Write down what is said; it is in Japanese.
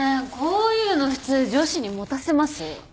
こういうの普通女子に持たせます？